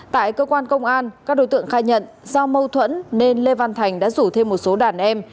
tại cơ quan công an các đối tượng khai nhận do mâu thuẫn nên lê văn thành đã rủ thêm một số đàn em